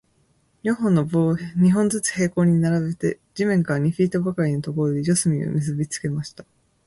四本の棒を、二本ずつ平行に並べて、地面から二フィートばかりのところで、四隅を結びつけました。